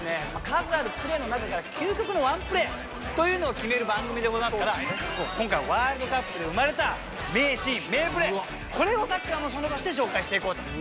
数あるプレーの中から「究極のワンプレー」というのを決める番組でございますから今回ワールドカップで生まれた名シーン名プレーこれを「サッカーの園」として紹介していこうと。